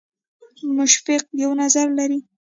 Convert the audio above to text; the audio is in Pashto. مشفق یو نظر لري.